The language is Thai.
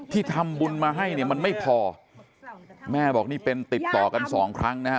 ที่ทำบุญมาให้เนี่ยมันไม่พอแม่บอกนี่เป็นติดต่อกันสองครั้งนะฮะ